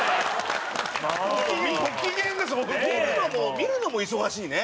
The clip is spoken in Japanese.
見るのも忙しいね。